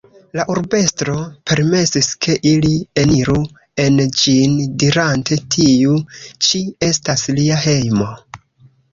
La urbestro permesis ke ili eniru en ĝin dirante "Tiu ĉi estas lia hejmo.